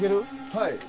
はい。